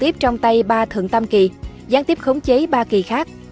tiếp trong tay ba thượng tam kỳ gián tiếp khống chế ba kỳ khác